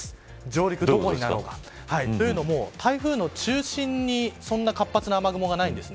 上陸がどこになるのか。というのも、台風の中心にそんな活発な雨雲がないんです。